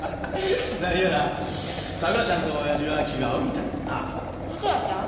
何やらさくらちゃんとおやじは気が合うみたいやな。